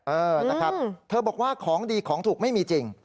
เออนะครับเธอบอกว่าของดีของถูกไม่มีจริง